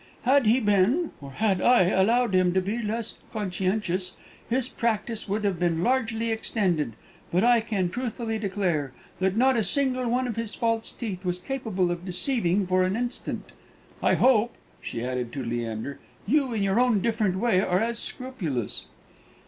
Had he been (or had I allowed him to be) less conscientious, his practice would have been largely extended; but I can truthfully declare that not a single one of his false teeth was capable of deceiving for an instant. I hope," she added to Leander, "you, in your own different way, are as scrupulous."